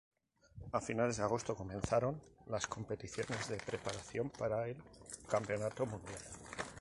A finales de agosto comenzaron las competiciones de preparación para el Campeonato Mundial.